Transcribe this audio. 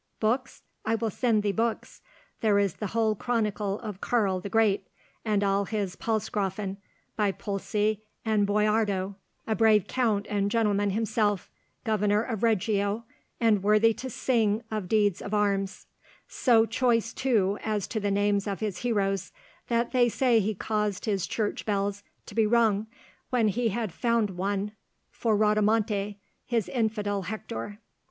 Books? I will send thee books. There is the whole chronicle of Karl the Great, and all his Palsgrafen, by Pulci and Boiardo, a brave Count and gentleman himself, governor of Reggio, and worthy to sing of deeds of arms; so choice, too, as to the names of his heroes, that they say he caused his church bells to be rung when he had found one for Rodomonte, his infidel Hector.